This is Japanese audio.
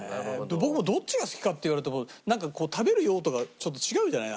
僕もどっちが好きかっていわれるとなんか食べる用途がちょっと違うじゃない。